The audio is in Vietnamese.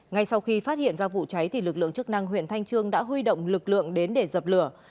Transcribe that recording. ngay sau khi phát hiện ra vụ cháy lực lượng chức năng huyện thanh trương đã huy động lực lượng đến để dập lửa